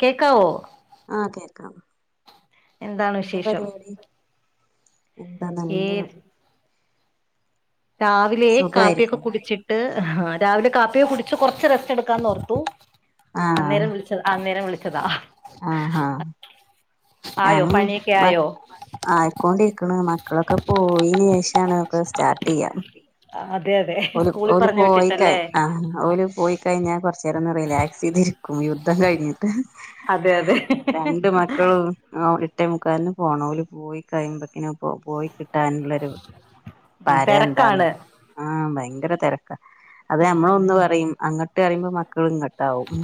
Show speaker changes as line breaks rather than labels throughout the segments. കേക്കാവോ
ആഹ് കേക്കാം
എന്താണ്
എന്താ
വിശേഷം
പരിപാടി എന്താ
ഏ
നല്ല
രാവിലെ കാപ്പിയൊക്കെ
സുഖായിരിക്കും
കുടിച്ച് ട്ട് അഹാ രാവിലെ കാപ്പി കുടിച്ച് കൊറച്ച് റസ്റ്റ് എട്ക്കാന്നേർത്തു
ആഹ്
അന്നേരം വിളി അന്നേരം വിളിച്ചതാ
ആഹ് ഹാ
ആയോ
ഞാനും
പണിയൊക്കെ
മറ്റ്
ആയോ
ആയിക്കൊണ്ടിരിക്ക്ണ്. മക്കളൊക്കെ പോയീന് ശേഷാണ്ക്കെ സ്റ്റാർട്ട് ചെയ്യാ.
ആഹ് അതെ അതെ.
ഒല്
സ്കൂളിൽ
ഓല്
പറഞ്ഞു വിട്ടിട്ടല്ലേ
പോയിക്കെയിഞാ ഓല് പോയി കഴിഞ്ഞാ കെർച്ച് നേരെന്ന് റിലാക്സ് ചെയ്തിരിക്കും യുദ്ധം കഴിഞ്ഞ്
അതെ അതെ
രണ്ട് മക്കളും ഓ എട്ടേ മുക്കാലിന് പോണം ഓല് പോയി കയ്പേക്കിനെക്കെ പോയികി കിട്ടാനുള്ളൊരു
ഉം
പരം ന്താന്ന.
തിരക്കാണ്
ആഹ് ഭയങ്കര തെരക്കാ അത്
ഉം ഉം
നമ്മളൊന്ന് പറയും അങ്ങെട്ട് പറയുമ്പോ മക്കൾ ഇങ്ങട്ട് താവും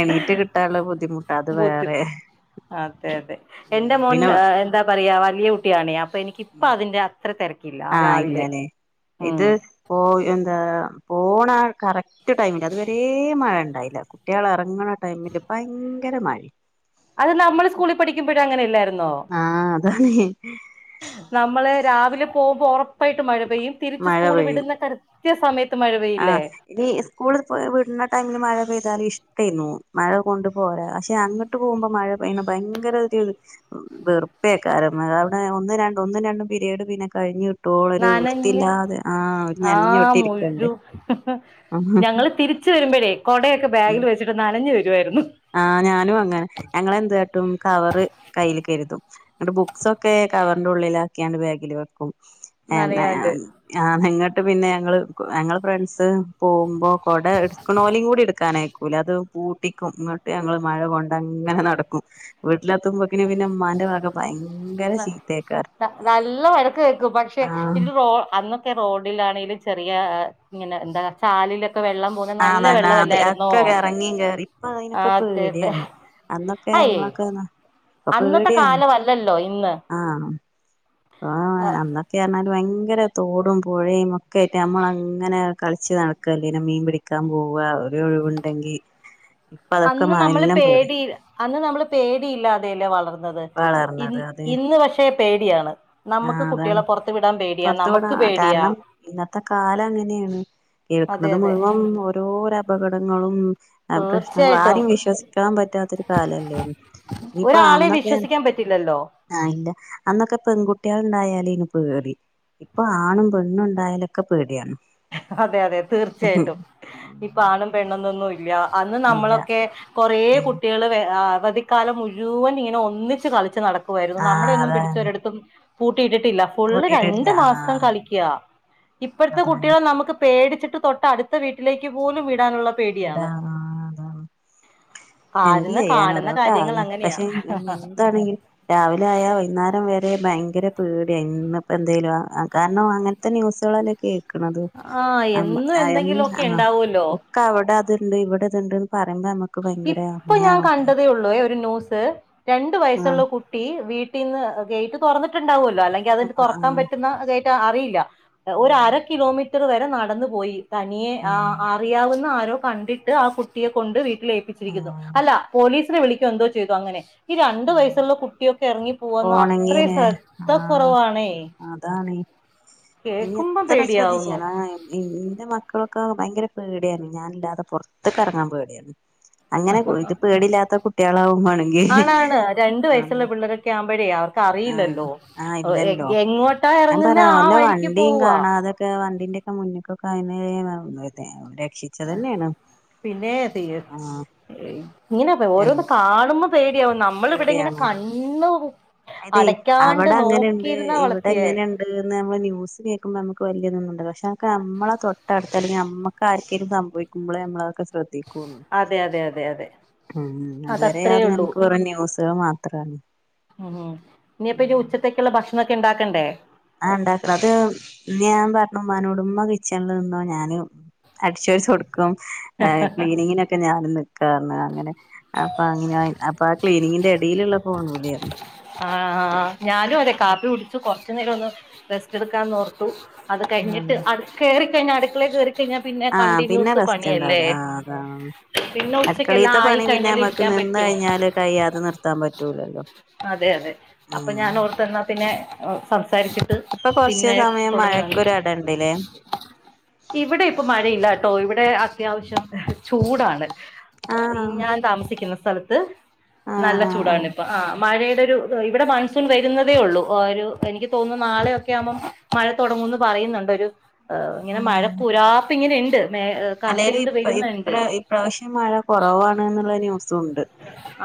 എണീറ്റ് കിട്ടാള്ള ബുദ്ധിമുട്ടത്
ബൂത്തി
വേറെ
അതെ അതെ
ഉം
എൻറെ മോൻ
പിന്നെ
എന്താ പറയാ വലിയ കുട്ടിയണ് അപ്പൊ എനിക്കിപ്പതിന്റെ അത്ര തിരക്കില്ല രാവിലെ ഉം.
പോയ് എന്താ പോണ കറക്റ്റ് ടൈമില് അത് വരെ മഴണ്ടായില്ല. കുട്ടള് എറങ്ങ്ണ ടൈമില് ഭയങ്കര മഴിം
അത് നമ്മൾ സ്കൂളിൽ പഠിക്കുമ്പഴും അങ്ങനെല്ലായിന്നോ.
ആഹ് അതാണ് ഹ്. ഹ്
നമ്മള് രാവിലെ പോവുമ്പോ ഒറപ്പായിട്ടും മഴ പെയ്യും. തിരിച്ച്
മഴ
സ്കൂള്
പെയ്യും
വിടുന്ന തര കൃത്യ സമയത്ത് മഴ പെയ്യില്ലേ.
ഈ സ്കൂൾ വിട്ണ ടൈമില് മഴ പെയ്താല് ഇഷ്ടൈന്നു മഴ കൊണ്ടു പോരാ പക്ഷെ അങ്ങട്ട് ങ്ങേട്ട് പേവുമ്പോ മഴ പെയ്യ്ണ ഭയങ്കരത് വെറുപ്പേക്കാരം മഴാൾന് ഒന്നും രണ്ടും ഒന്നും രണ്ടും പിരെഡ് പിന്നെ കഴിഞ്ഞുകി ട്ടേളൊരു
നനഞ്ഞ്
വൃത്തിയില്ലാതെ ആഹ് ഒരു നനഞ്ഞോട്ടി ഇരിക്കണ്ട്.
ഹ ഹ ഞങ്ങള് തിരിച്ച് വരുമ്പഴേ കൊടയൊക്കെ
ഉം
ബാഗില് വെച്ചിട്ട് നനഞ്ഞ് വെരുവായിരുന്നു.
ആഹ് ഞാനും അങ്ങനെ ഞങ്ങളെന്താട്ടും കവറ് കയ്യിൽ കരുതും ന്നെട്ട് ബുക്സൊക്കെ കവർന്റെ ഉള്ളിലാക്കിയാഇണ്ട് ബാഗിൽ വെക്കും. ഏന്ന
നനയാണ്ട്
ഞാൻ. ആഹ് നിങ്ങെട്ട് പിന്നെ ഞങ്ങള് ഞങ്ങള് ഫ്രണ്ട്സ് പോവുമ്പോ കൊട എട് ക്ണോലിം കൂടി എടുക്കാനയക്കൂല അത് പൂട്ടിക്കും. ട്ട് ഞങ്ങൾ മഴ കൊണ്ടങ്ങനെ നടക്കും വീട്ടിലെത്തുമ്പോക്കിന് പിന്നെ മ്മാന്റെ വക ഭയങ്കെ
നല്ല വഴക്ക് കേക്കും പക്ഷെ
ആഹ്
ഇന്ന് റേ അന്ന് ത്തെ റോഡിലാണെങ്കിലും ചെറിയാ ഇങ്ങനെ ന്താ ചാലിലെക്കെ വെള്ളം പെന്തി.
ആഹ് നല്ലാ അത് അക്കെ എറങ്ങിം കേറിം പ്പൊ
ആ
അതിനൊക്കെ
അതെ അതെ
പേടിയാണ്. അന്നെക്കെ
അയേ
നമ്മളൊക്കെന്നാ
അന്നത്തെ കാലവല്ലല്ലോ ഇന്ന്
ആഹ് [unintelligible] ക്കെ പറ്ഞ്ഞാല് ഭയങ്കര തോടും പുഴയും ഒക്കെ ആയിട്ട് നമ്മളങ്ങനെ കളിച്ച് നടക്കല്ലയ്ന്നേ മീൻ പിടി ക്കാൻ പോവാ ഒര് ഒഴിവുണ്ടെങ്കി ഇപ്പ അതൊക്കെ
അന്ന് നമ്മള്
എല്ലാം
പേടി അന്ന് നമ്മള് പേടിയില്ലാതെല്ലേ വളർ ന്നത് ഇ
വളർന്നത് അത്
ഇന്ന് പക്ഷേ പേടിയാണ് നമുക്ക് കുട്ടിയാളെ പെർത്
പെർത്ത് പേണ കാരണം ഇന്നത്തെ കാലം അങ്ങനെണ്
അതെ
കേൾക്കണത്
അതെ
മുഴുവൻ ഓരോര അപകടങ്ങളും ആ പ്രശ്നങ്ങളും
തീർച്ചയായിട്ടും
ആരിം വിശ്വസിക്കാൻ പറ്റാത്തൊരു കാലല്ലേ ഇനിയിപ്പ
ഒരാളെ
അന്നൊക്കെ
വിശ്വസിക്കാൻ പറ്റില്ലല്ലോ
ആഹ് ഇല്ല അന്നൊക്കെ പെൺകുട്ടിയാൾ ഇണ്ടായാലേനി പേടി ഇപ്പൊ ആണും പെണ്ണും ഇണ്ടായലൊക്കെ പേടിയാണ്
അതെ അതെ
ഉം
തീർച്ചയായിട്ടും ഇപ്പ ആണും പെണ്ണു ന്നൊന്നും ഇല്ല അന്ന്
ഇല്ല
നമ്മളൊക്കെ കൊറേ
ഉം
കുട്ടിയേള് വേ ആഹ് അവധി കാലം മുഴുവൻ ഇങ്ങനെ ഒന്നിച്ച് കളിച്ച് നടക്കുവായിരുന്നു നമ്മുടെ
ആഹ്
ഒന്നും
അതാണ്
പിടിച്ച്ഒരിടത്തും പൂട്ടിയിട്ടിട്ടില്ല ഫുള്ള്
കൂട്ടിട്ടില്ല
രണ്ട് മാസം
ആഹ്
കളിക്ക ഇപ്പഴത്തെ കുട്ട
അതാണ്
നമുക്ക് പേടിച്ചിട്ട് തൊട്ട് അടുത്ത വീട്ടിലേക്ക് പോലും വിടാനുള്ള
അതാ
പേടിയാണ്
ആ അതാണ് എന്ത്
ആരുന്ന്
ചെയ്യാന
കാണുന്ന
ഓരോ
കാര്യങ്ങൾ
കാലം
അങ്ങനെയാ
പക്ഷെ എന്താണെങ്കി രാവിലെ ആയാ വൈന്നാരം വരെ ഭയങ്കര പേടിയാ ഇന്ന് ഇപ്പം എന്തേലും അ അ കാരണം അങ്ങൻ ത്തെ ന്യൂസുകളല്ലേ കേൾക്ക്ണത് അം അയമ് ആഹ്
ലോ
ക്ക അവിടെ അത്ണ്ട് ഇവിടെ ഇത്ണ്ട്ന്ന് പറിയ്മ്പ നമ്മക്ക്
ഇപ്പ ഞാൻ കണ്ടതേ ഒള്ളൂ ഏ ഒരു ന്യൂസ് രണ്ടു
ആഹ് ആഹ്
വയസ്സുള്ള കു ട്ടി വീട്ടിന്ന് ഗേറ്റ് തുറന്നിട്ട്ണ്ടാവുല്ലോ അല്ലെങ്കി അത്
ആഹ്
തൊറക്കാൻ
ആഹ്
പറ്റുന്ന ഗേറ്റ് അറിയില്ല ഒര അര കിലോമീറ്റർ വരെ നടന്നു പോയി തനിയെ ആ
ആഹ്
അറിയാവുന്ന ആരോ കണ്ടിട്ട് ആ കുട്ടിയെ കൊണ്ട് വീട്ടിൽ ഏൽപ്പിച്ചിരിക്കുന്നു
ആഹ്
അല്ല പോലീസ് വിളിക്കോ എന്തോ ചെയ്തു അങ്ങനെ ഈ രണ്ടു
ആഹ്
വയസ്സുള്ള കുട്ടിയൊക്കെ ഇറങ്ങി പോവാന്ന അത്രയും
പോണെങ്കില്
ശ്രദ്ധ
ആഹ്
കൊറവാണേ
അതാണ് ഇനി എത്ര ശ്രദ്ധിച്ചാ
പേടിയാവുന്നു
നാ ഇന്റെ മക്കൾക്കെ ഭയങ്കര പേടി ഏനി ഞാനില്ലാതെ പൊറ്ത്ത്ക്ക് എറങ്ങാൻ പേടിയാണ് അങ്ങനെ ഇത് പേടില്ലാത്ത കുട്ടികളാവും മാണെങ്കി
ആണാണ് രണ്ട് വയസുള്ള പിള്ളരൊക്കെ ആവുമ്പഴേ അവർ ക്ക്
ആഹ്
അറിയില്ലല്ലോ
ആഹ്
എ
ഇല്ലല്ലോ
എങ്ങോട്ടാ എറങ്ങുന്ന ആ വഴിക്ക് പോവാ
ക്കെ വണ്ടിന്റെ ഒക്കെ മുന്നേക്കൊക്കെ ആയിന്നെ [unintelligible] രക്ഷി
ആ പിന്നെ തീരു
ആഹ്
ഇങ്ങനെപ്പ
എന്ത്
ഓരോന്ന് കാണുമ്പം പേടിയാവും നമ്മള്ഇവിടെ ഇങ്ങനെ
പേടിയാണ്
കണ്ണു
അതെ അവിടെ അങ്ങനെണ്ട് ഇവിടെ
വളർത്തിയേ
എങ്ങനെ ണ്ട് ന്ന് നമ്മള് ന്യൂസ് കേക്കുമ്പോ നമക്ക് വല്ല്യയ തൊന്നുണ്ടാകൂല പക്ഷെ അതക്കെ നമ്മളെ തൊട്ടടുത്ത് അല്ലെങ്കിൽ നമക്ക് ആർക്കെങ്കിലും സംഭവി ക്കുമ്പളെ നമ്മള് അതെക്കെ ശ്ര ദ്ധ്രി ക്കൊള്ളൂ
അതെ അതെ അതെ അതെ
അതുവരെ അത് വരെ
അതത്രേ
അത്
ഉള്ളൂ
നമ്മുക്ക് വെറും ന്യൂസുകൾ മാത്രണ്
മ് ഇനിയിപ്പൊ ഇജ് ഉച്ചത്തെക്കുള്ള ഭക്ഷണംക്കെ ഉണ്ടാക്കണ്ടേ
ആഹ് ണ്ടാകണ്ണം അത് ഞാൻ പറഞ്ഞു ഉമ്മാനോട് ഉമ്മ കിച്ചണില് നിന്നോ ഞാന് അടിചോരി തൊടക്കും ക്ലീനിങ്ങിനൊക്കെ ഞാനും നിക്കാന്ന് അങ്ങനെ അപ്പൊ അങ്ങനെ അപ്പൊ ആ ക്ലീനിങ്ങിന്റെ എടേല്ള്ള ഫോൺ വിളിയാണ്
ആഹ് ഞാനും അതെ കാപ്പി കുടിച്ചു കൊറച്ചു നേരം ഒന്ന് റെസ്റ്റ് എടുക്കാന്ന് ഓർത്തു അത് കഴിഞ്ഞിട്ട് അത് കേറിക്കഴിഞ്ഞാല് അടുക്കളെ കേറിക്കഴിഞ്ഞാ പിന്നെ കണ്ടിന്യൂസ്
നിച്ചണ്ടാവൂല
പണിയല്ലേ
ആഹ് അതാണ്
പിന്നെ ഉച്ചക്കെല്ലാം
അടുക്കളിത്തെ
ആയി
പണി പിന്നെ
കഴിഞ്ഞാല്
നമ്മക്ക്
ഇരിക്കാൻ
നിന്ന
പറ്റൂ
കഴിഞ്ഞാല് കയ്യാതെ നിർത്താൻ പറ്റൂലല്ലോ
അതെ അതെ അപ്പോ
ആഹ്
ഞാൻ ഓർത്ത് എന്നാ പിന്നെ സംസാരിച്ചിട്ട്
ഇപ്പോ
പിന്നെ
കൊറച്ച്സമയം മഴക്കൊരു എടണ്ട്ലെ
ഇവടെ ഇപ്പോ മഴയില്ല ട്ടോ ഇവടെ അത്യാവശ്യം ഏഹ് ചൂടാണ് ഈ
ആഹ്
ഞാൻ താമസിക്കുന്ന സ്ഥലത്ത്
ആഹ്
നല്ല
ആഹ്
ചൂടാണ്
ആഹ്
ഇപ്പ ആ മഴേടെ ഒരു ഇവടെ മൺസൂൺ വരുന്നതേ ഒള്ളൂ ഒരു എനിക്ക് തോന്നുന്നു നാളെയൊ ക്കെയാമ്പോ മഴ തൊടങ്ങുന്ന് പറയുന്നോണ്ട് ഒരു ഇങ്ങനെ മഴ പുരാപ്പ് ഇങ്ങനെണ്ട് മേ
അല്ലേല്ല്
കറുത്തിരുണ്ട്
ഇപ്പ
വരുന്നുണ്ട്
ഇപ ഇപ്രാശ്യം മഴകൊറവാണ് എന്നുള്ള ന്യൂസുവോണ്ട്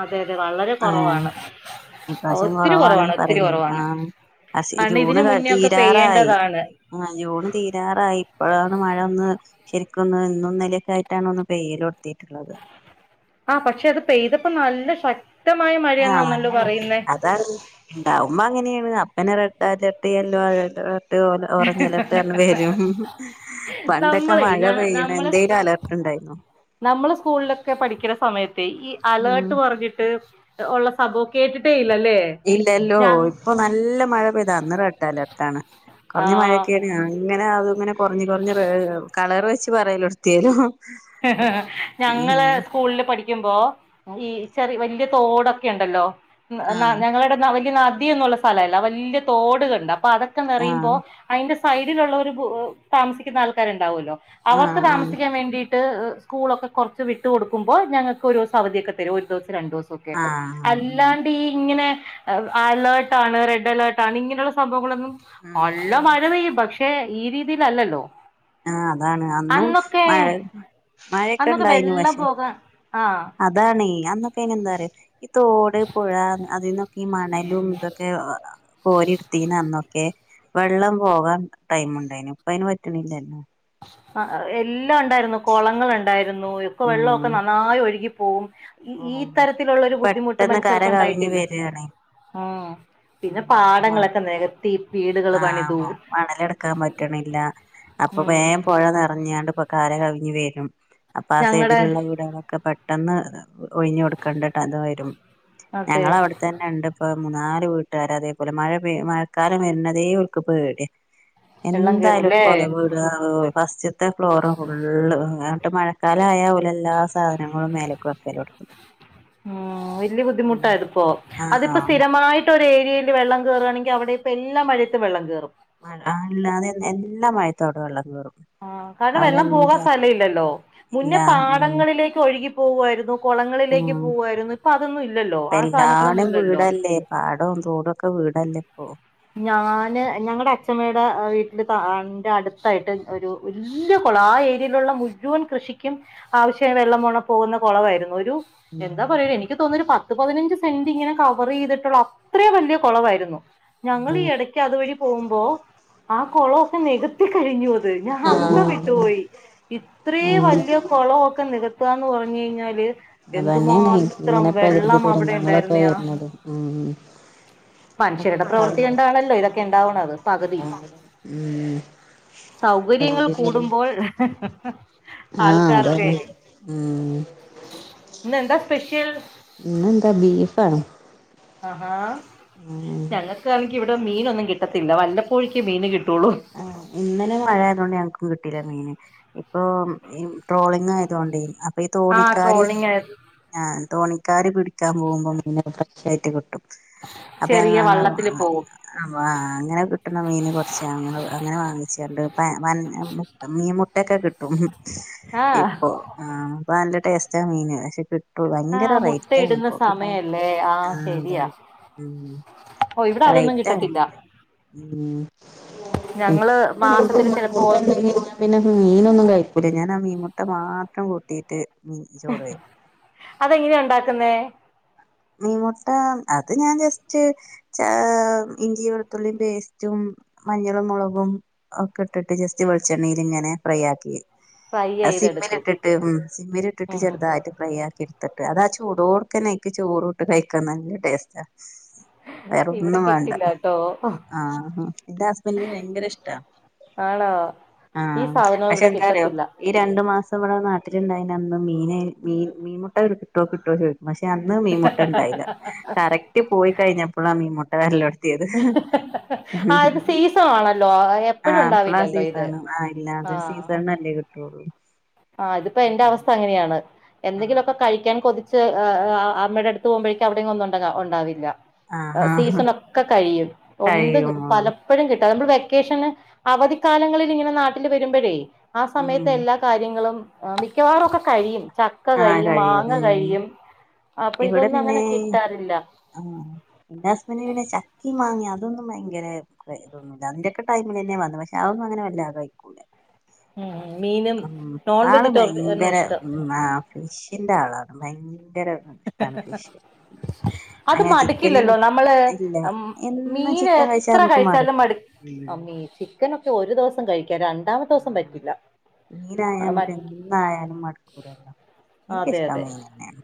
അതെ അതെ വളരെ കൊറവാണ്
ഇപ്രാശ്യം കൊറവാണ്ന്ന് പറയുന്ന് ആഹ് [unintelligible]
കാരണം
ജൂണ്
ഇതിന് മുന്നേ ഒക്കെ
തീരാറായി.
പെയ്യേണ്ടതാണ്
ആഹ് ജൂണ് തീരാറായി ഇപ്പോഴാണ് മഴൊന്ന് ശെരിക്കൊന്ന് ഇന്നും ഇന്നലൊക്കെയായിട്ടാണ് ഒന്ന് പെയ്യല്തൊടത്തീട്ട്ള്ളത്.
ആഹ് പക്ഷെ അത് പെയ്തപ്പോ നല്ല ശക്തമായ മഴയന്നാണല്ലോ പറയുന്നേ.
താണ് ഇണ്ടാവുമ്പ അങ്ങനേണ് അപ്പനെ red alert yellow alert orange alert [unintelligible] വരും. പണ്ടൊക്കെ
നമ്മളെ
മഴ
ഞാ
പെയ്യണ്
നമ്മളെ
എന്തേലും അലർട്ട് ഇണ്ടായിന്നോ.
നമ്മള് സ്കൂളിലൊക്കെ പഠിക്കണ സമയത്തേ ഈ
ഉം
അലേർട്ട് പറഞ്ഞിട്ട് ഒള്ള സംഭവം കേട്ടിട്ടേ ഇല്ലല്ലേ?
ഇല്ലല്ലോ
ഞാൻ
ഇപ്പോ നല്ല മഴ പെയ്താ അന്ന് റെഡ് അലർട്ടാണ്. കൊറഞ്ഞ
ആഹ്
മഴയൊക്കേണ് അങ്ങനെ അത് ഇങ്ങനെ കൊറഞ്ഞ് കൊറഞ്ഞ് കളർ വെച്ച് പറയല് തൊടത്തേലോഹ്
ഞങ്ങള് സ്കൂളില് ‌പഠിക്കുമ്പോ ഈ ചെറി വല്യ തോടൊക്കെ ഒണ്ടല്ലോ മ്മ് നാ
ആഹ്
ഞങ്ങളേടെ വല്ല്യ നദിയൊന്നുള്ള സ്ഥലല്ല വല്ല്യ തോട്ണ്ട് അപ്പോ അതൊക്കെ നെറയുമ്പോ
ആഹ്
അയിൻ്റെ സൈഡിലുള്ളോര് പു താമസിക്കുന്ന ആൾക്കാര് ഇണ്ടാവുലോ അവർക്ക്
ആഹ്
താമസിക്കാൻ വേണ്ടീ ട്ട് സ്കൂളൊക്കെ കൊറച്ച് വിട്ട് കൊടുക്കുമ്പോ ഞങ്ങക്ക് ഒരു ദിവസം അവധിയൊക്കെ തരും ഒരു ദിവസം രണ്ട് ദിവസ കെ
ആഹ്
അല്ലാ ഈ ഇങ്ങനെ അലേർട്ടാണ് റെഡ് അലേർട്ടാണ്ണ് ഇങ്ങനെയുള്ള സംഭവങ്ങളൊന്നും
ആഹ്
നല്ല
ഇല്ലല്ല
മഴ പെയ്യും പക്ഷെ ഈ രീതിലല്ലല്ലോ.
ആഹ് അതാണ് അന്നും മഴ മഴെക്കെ
അന്നൊക്കെ
ഇണ്ടായിനു
വെള്ളം
പക്ഷെ
പോകാൻ ആഹ്
അ ഇതാണേയ് അന്നൊക്കെ എങ്ങനേന്നറിയോ ഈ തോട് പുഴ അതിന്നൊ ഈ മണലും ഇതോക്കെ ആഹ് കോരിടിത്തീന്ന് അന്നൊക്കെ വെള്ളം പോകാൻ ടൈമുണ്ടായിനു ഇപ്പ അയിന് പറ്റ്ണില്ലല്ലോ [unintelligible]
ആഹ് എല്ലാം ഇണ്ടാരുന്നു കൊളങ്ങളുണ്ടാരുന്നു ഒക്കെ വെള്ളൊക്കെ
ഉം
നന്നായി ഒഴുകിപ്പോവും ഈ
ഉം
ഈത്തരത്തിലൊള്ളോരു ബുദ്ധിമുട്ട്
പെട്ടെന്ന് കര
മനുഷ്യർക്ക്
കവിഞ്ഞ്
ഒണ്ടായിട്ടില്ല
വരാണ്
ആഹ് പിന്നെ
ഉം മ
പാടങ്ങളൊക്കെ നെകത്തി വീടുകള്
ആഹ്
പണിതൂ
മ അപ്പോ വേ പൊഴ നിറഞ്ഞാണ്ട് പ കരകവിഞ്ഞു വരും അപ്പ ആ
ഞങ്ങടെ
സൈഡിലുള്ള വീടുകളൊക്കെ പെട്ടെന്ന് ഒഴിഞ്ഞുകൊടുക്കേണ്ടട്ട അത് വരും
അതെ
ഞങ്ങളവിടു തന്നെ ഇണ്ട് ഇപ്പോ മൂന്നാല് വീട്ടുകാര് അതേപോലെ മഴ പെയ മഴക്കാലം വര്ണതേ ഓല്ക്ക് പേടിയാ.
വെള്ളം
എന്തായാലും ഒരു
കേറൂല്ലേ
കൊലവ് [unintelligible] ഫസ്റ്റ്ത്തെ ഫ്ലോറ് ഫുള്ള് ന്നിട്ട് മഴക്കാലം ആയാ ഓല് എല്ലാ സാധനങ്ങളും മേലക്ക് വക്കാ ക്കലോടത്തും
ആ ഇതില് ബുദ്ധിമുട്ടായിത്പ്പോ അതിപ്പോ
ആഹ്
സ്ഥിരമായി ട്ടൊരേരിയയിൽ വെള്ളം കേറേണെങ്കി അവിടെ ഇപ്പ എല്ലാ മഴയത്തും വെള്ളം കേറും.
മഴ അല്ലാതെ എല്ലാ മഴയത്തും അവെടെ വെള്ളം കേറും.
ആ കാരണം വെള്ളം പോവാൻ
അവരെന്താ
സ്ഥല ഇല്ലല്ലോ
ഇല്ല
മുന്നേ
ഉം
പാടങ്ങളിലേക്ക് ഒഴുകി പോവുവായിരുന്നു. കൊളങ്ങളിലേക്ക്
ഉം
പൂവായിരുന്നു ഇപ്പൊ അതൊന്നും ഇല്ലോ ആ സാധനങ്ങളൊന്നും ഇല്ലല്ലോ.
പാടോം തോടൊക്കെ വീടല്ലേ ഇപ്പൊ.
ഞാന് ഞങ്ങടെ അച്മ്മേടെ വീട്ടിൻ്റെ ത അന്റെ അടുത്തായിട്ട് ഒരു വല്ല്യാകൊളം ആ ഏരിയയിലുള്ള മുഴുവൻ കൃഷിക്കും ആവശ്യായ വെള്ളം പോണ പോകുന്ന കൊളവായിരുന്നു ഒരു
ഉം
എന്താ പറയ എനിക്ക് തോന്ന ഒരു പത്ത് പതിനഞ്ച് സെൻ്റിങ്ങനെ കവർ ചെയ്തിട്ടുള്ള അത്രേംവല്ല്യ കൊളവായിരുന്നു. ഞങ്ങള് ഈ ഇടക്ക് അതുവഴി പോവുമ്പോ ആ കൊളവൊക്കെ നികത്തി കഴിഞ്ഞു വ പിന്നെ ഞാൻ
ആഹ്
അന്തംവിട്ടുപോയി. ഇത്രേ
ഉം
വല്ല്യാ കൊളവൊക്കെ നികത്താന്ന് പറഞ്ഞു കഴിഞ്ഞാല്
അതന്നെയാണ്
എന്തുമാത്രം
ഇങ്ങനെ പ്രകൃതി
വെള്ളം അവിടെ
ദുരന്തങ്ങളൊക്കെ
ഉണ്ടായിരുന്നയാ
വരുന്നത് ഉം
മനുഷ്യരുടെ
ഒക്കെ
പ്രവൃത്തി
ആളുകൾ
കണ്ടാണല്ലേ ഇതൊക്കെ ഇണ്ടാവണത് പകുതിയും.
ഉം
സൗകര്യങ്ങള്
പ്രകൃതി ദുരന്തം
കൂടുമ്പോൾ
ആഹ്
ആൾക്കാർക്ക്
അതന്നെ ഉം
ഇന്ന് എന്താ സ്പെഷ്യൽ
ഇന്നെന്താ ബീഫ് ആണ്
ആ ഹാ
ഉം
ഞങ്ങൾക്കാണെങ്കി ഇവിടെ മീനൊന്നും കിട്ടത്തില്ല വല്ലപ്പോഴേക്ക് മീന് കിട്ടുള്ളൂ
ആ ഇന്നലെ മഴ ആയതോണ്ട് ഞങ്ങക്കും കിട്ടീല മീന് ഇപ്പൊ ഈ ട്രോളിങ്ങായതോണ്ടേ അപ്പൊ ഈ
ആ
തോണിക്കാര്
ട്രോളിങ്
ആ തോണിക്കാര് പിടിക്കാൻ പോകുമ്പോ മീനൊക്കെ ഫ്രഷ് ആയിട്ട് കിട്ടും അപ്പ ഞങ്ങ
ചെറിയ വള്ളത്തില് പോകും
വാ അങ്ങനെ കിട്ട്ണ മീന് കുറച്ച് അങ്ങനെ അങ്ങനെ വാങ്ങിച്ചാണ്ട് പാ പൻ മുട് മീ മുട്ടൊക്കെ കി ട്ടും
ആ
ഇപ്പൊ ആ പ്പ നല്ല ടേസ്റ്റാ മീന് പക്ഷെ കി ട്ടു
ആ
ഭയങ്കര
മുട്ടയിടുന്ന
റൈറ്റാണ്പ്പൊ കിട്ടാൻ
സമയല്ലേ
ആ
ശരിയാ
അതാണ് ഉം
ഓ ഇവിടെ അതൊന്നും
റേറ്റാണ്
കിട്ടത്തില്ല
ഉം
ഞങ്ങള് മാസത്തില് ചിലപ്പോ
ഉം പിന്നെ മീനൊന്നും കഴികൂല്ല ഞാൻ ആ മീൻമുട്ട മാത്രം കൂട്ടീട്ട് മീൻ ചോറെയി
അതെങ്ങനെയ ഇണ്ടാക്കുന്നേ?
മീമുട്ട അത് ഞാൻ ജസ്റ്റ് ചാ ഇഞ്ചി വെളുത്തുള്ളി പേസ്റ്റും മഞ്ഞളും മുളകും ഒക്കെട്ടിട്ട് ജസ്റ്റ് വെളിച്ചെണ്ണയിലിങ്ങനെ ഫ്രൈ ആക്കി
ഫ്രൈ
അത്
ചെയ്തെടുക്കും
സിമ്മിലിട്ടിട്ട് ഉം സിമ്മിലിട്ടിട്ട്
ഉം ഉം
ചെറുതായിട്ട് ഫ്രൈ ആക്കി ഇടുത്തിട്ട് അതാ ചൂടോട്ക്കനെ അയ്ക്ക് ചോറ്ട്ട് കയ്ക്കാൻ നല്ല ടേസ്റ്റാ
ഇവിടെ
വേറൊന്നും വേണ്ട
കിട്ടില്ല കേട്ടോ
ആ ന്റെ ഹസ്ബൻ്റിന് ഭയങ്കര ഇഷ്ടാ
ആണോ ഈ
ആഹ്
സാധനവും
പക്ഷെ
ഇവിടെ
എന്താറിയോ?
കിട്ടത്തില്ല
ഈ രണ്ടു മാസം ഇവിടെ നാട്ടിലുണ്ടായിനന്നും മീനെ മീൻ മീൻമുട്ട കിട്ടോ കിട്ടോ ചോയ്ക്കും പക്ഷെ അ ന്ന് മീൻമുട്ട ഉണ്ടായില കറക്റ്റ് പോയി കഴിഞ്ഞപ്പോളാ മീൻമുട്ട വരലൊടുത്തിയത്
ആ ഇത് സീസൺ ആണല്ലോ
ആ
എപ്പോഴും
അപ്പളാ
ഉണ്ടാവില്ലല്ലോ ഇത്
സീസാണ് ആ ഇല്ലാത്തൊരു സീസാണ്നല്ലേ കി ട്ടൊളൂ
ആ ഇതിപ്പൊ എന്റെ അവസ്ഥ അങ്ങനെയാണ് എന്തെങ്കിലൊക്കെ കഴിക്കാൻ കൊതി ച്ച് ആ ആ അമ്മേടെ അടുത്ത് പോകുമ്പോഴേക്ക് അവിടങ്ങും ഒന്നും ഉണ്ടക ഉണ്ടാവില്ല.
ആഹ് ആഹ്
സീസണൊക്കെ കഴിയും
കഴിയും
[unintelligible] പല പ്പോഴും കിട്ടുക. നമ്മൾ വെക്കേഷന് അവധിക്കാലങ്ങളിൽ ഇങ്ങനെ നാട്ടിൽ വരുമ്പോഴേ ആ സമയത്ത്
ഉം
എല്ലാ ര്യങ്ങളും മിക്കവാറു ഒക്കെ കഴിയും. ചക്ക
ആഹ്
കഴിയും മാങ്ങ
ഉം
കഴിയും അപ്പൊ
ഇവിടെ
ഇതൊന്നും
പിന്നെ
അങ്ങനെ കിട്ടാറില്ല.
ആഹ് ന്റെ ഹസ്ബൻ്റിന് പിന്നെ ചക്കേ മാങേമം അതൊന്നും ഭയങ്കര [unintelligible] ന്നുല. അതിന്റെക്ക ടൈമിലെന്നെ വന്ന പക്ഷേ അതന്നും അങ്ങനെ വല്ലാതെ കഴിക്കൂല.
ഉം മീനും
ഉം
നോൺ
ആള്
വെജിറ്റേറിയനും
ഭയങ്കര
ഇഷ്ടം
ഉം ആ ഫിഷിന്റെ ആളാണ്, ഭയങ്കര ഇഷ്ടാണ് ഫിഷ്.
അത്
അങ്ങനെ ചിക്കന്
മടുക്കില്ലല്ലോ നമ്മള്
ഇല്ല
മം
എന്നും
മീന്
ചിക്കൻ കഴിച്ചാ
എത്ര
നമുക്ക്
കഴിച്ചാലും
മടുക്കും
മടു അമ്മീ
ഉം
ചിക്കനൊക്കെ ഒരു ദിവസം കഴിക്കാ രണ്ട്
[unintelligible] മീനായമ്മക്ക് എന്തായാലും മടുക്കൂലല്ലോ.
അതെ
എനിക്കിഷ്ടം
അതെ
മീനന്നെണ്.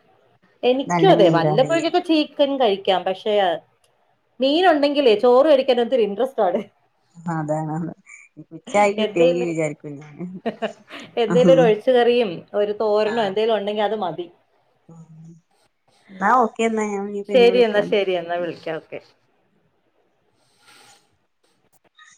എനിക്കും അതെ വല്ലപ്പോഴേക്കൊക്കെ ചീ ക്കൻ കഴിക്കാം, പക്ഷേ മീനുണ്ടെങ്കിലേ ചോറു കഴിക്കാൻ എന്തൊരു ഇൻട്രസ്റ്റ് ആണ്.
അതാണ്ന്ന്.
എന്തേലും എന്തേലും
ആഹ്
ഒരു ഒഴിച്ച് കറിയും, ഒരു തോരനോ എന്തേലും ഉണ്ടെങ്കി അത് മതി.
എന്നാ ഓക്കെന്ന ഞാന്
ശരി എന്നാ ശരി എന്നാ വിളിക്കാ ഓക്കെ.